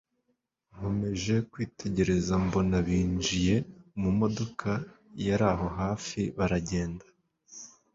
nkomeje kwitegereza mbona binjiye mu modoka yaraho hafi baragenda